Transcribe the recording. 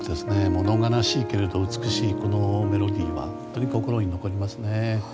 物悲しいけれど美しい、このメロディーが本当に心に残りますね。